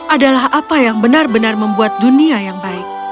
adalah apa yang benar benar membuat dunia yang baik